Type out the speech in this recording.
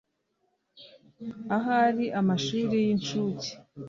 Ahari amashuri y incuke